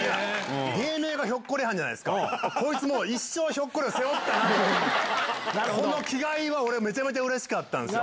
芸名がひょっこりはんじゃないですか、こいつもう、一生ひょっこりを背負ったなと、この気概は俺、めちゃめちゃうれしかったんですよ。